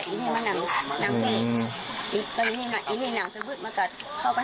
อืมเพราะว่า